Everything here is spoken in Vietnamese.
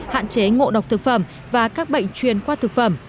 hạn chế ngộ độc thực phẩm và các bệnh truyền qua thực phẩm